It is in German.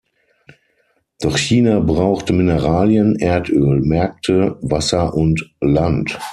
Doch China braucht Mineralien, Erdöl, Märkte, Wasser und Land.